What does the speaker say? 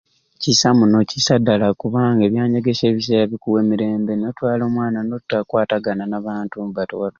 Kisai muno kisai ddala kubanga ebyanyegesya bikuwa emirimbe notwala omwana notakwatagana nabantu oba